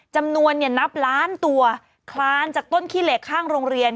จำนวนเนี่ยนับล้านตัวคลานจากต้นขี้เหล็กข้างโรงเรียน